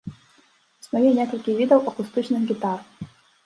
Існуе некалькі відаў акустычных гітар.